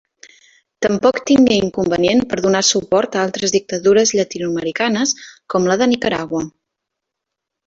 Tampoc tingué inconvenient per donar suport a altres dictadures llatinoamericanes, com la de Nicaragua.